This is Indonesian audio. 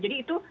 jadi itu mohon